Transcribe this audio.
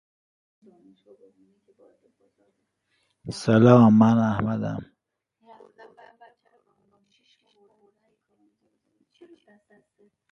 رأس الجدی